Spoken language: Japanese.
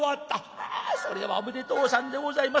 「あそれはおめでとうさんでございます」。